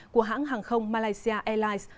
của hãng hàng không malaysia airlines